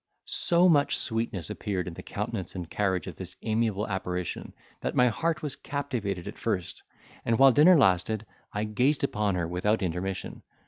So much sweetness appeared in the countenance and carriage of this amiable apparition, that my heart was captivated at first sight, and while dinner lasted, I gazed upon her without intermission.